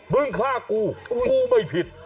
ฆ่ากูกูไม่ผิด